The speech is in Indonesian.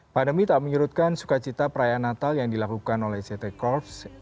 pandemi tak menyurutkan sukacita perayaan natal yang dilakukan oleh ct corps